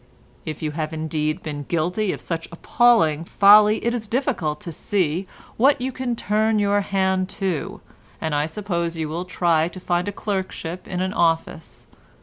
If you have indeed been guilty of such appalling folly it is difficult to see what you can turn your hand to, and I suppose you will try to find a clerkship in an office.